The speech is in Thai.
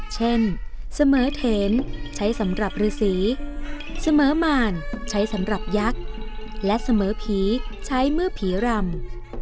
เช่นเสมอเถนใช้สำหรับฤษีเสมอมารใช้สำหรับยักษ์และเสมอผีใช้เมื่อผีรำ